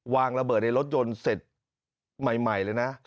วางระเบิดในรถยนต์เสร็จใหม่เลยนะ